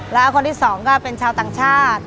แล้วคนที่สองก็เป็นชาวต่างชาติ